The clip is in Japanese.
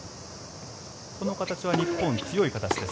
この形は日本、強い形です。